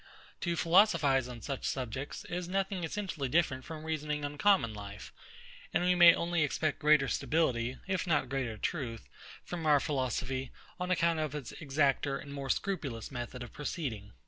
To philosophise on such subjects, is nothing essentially different from reasoning on common life; and we may only expect greater stability, if not greater truth, from our philosophy, on account of its exacter and more scrupulous method of proceeding.